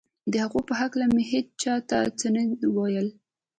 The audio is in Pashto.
د هغو په هکله مې هېچا ته څه نه ویل